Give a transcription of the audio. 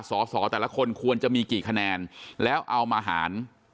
สอสอแต่ละคนควรจะมีกี่คะแนนแล้วเอามาหาร